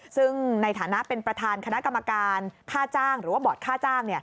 ซึ่งในฐานะเป็นประธานคณะกรรมการค่าจ้างหรือว่าบอร์ดค่าจ้าง